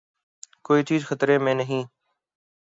کوئی چیز خطرے میں نہیں۔